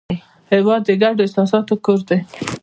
هېواد د ګډو احساساتو کور دی.